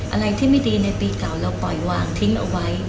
อะไรที่ไม่ดีในปีเก่าเราปล่อยวางทิ้งเอาไว้